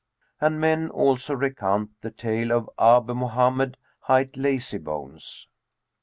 And men also recount the tale of ABU MOHAMMED HIGHT LAZYBONES.